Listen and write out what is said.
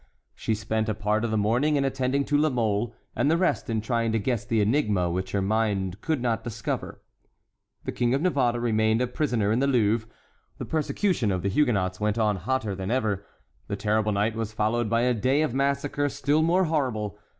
She spent a part of the morning in attending to La Mole, and the rest in trying to guess the enigma, which her mind could not discover. The King of Navarre remained a prisoner in the Louvre, the persecution of the Huguenots went on hotter than ever. The terrible night was followed by a day of massacre still more horrible.